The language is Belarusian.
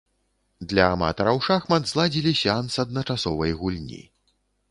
Для аматараў шахмат зладзілі сеанс адначасовай гульні.